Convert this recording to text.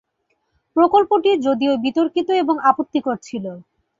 প্রকল্পটি যদিও বিতর্কিত এবং আপত্তির ছিল।